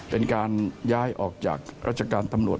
เป็นการย้ายออกจากราชการตำรวจ